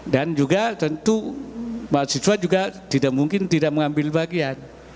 dan juga tentu mahasiswa juga tidak mungkin tidak mengambil bagian